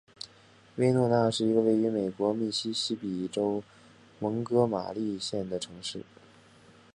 威诺纳是一个位于美国密西西比州蒙哥马利县的城市。